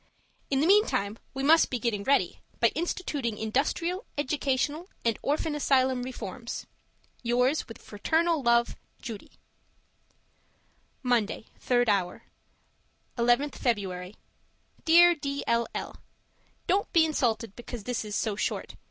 In the meantime, we must be getting ready, by instituting industrial, educational and orphan asylum reforms. Yours, with fraternal love, Judy Monday, 3rd hour 11th February Dear D. L. L., Don't be insulted because this is so short.